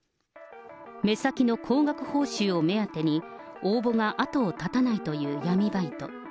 目先の高額報酬を目当てに、応募が後を絶たないという闇バイト。